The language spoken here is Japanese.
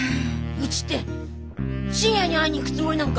うちって信也に会いに行くつもりなんか？